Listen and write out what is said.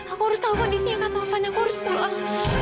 aku harus tahu kondisinya kak taufan aku harus pulang